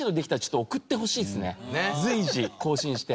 随時更新して。